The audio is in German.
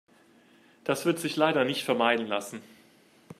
Das wird sich leider nicht vermeiden lassen.